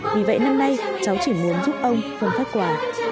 vì vậy năm nay cháu chỉ muốn giúp ông phân phất quà